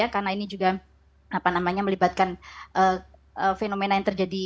karena ini juga melibatkan fenomena yang terjadi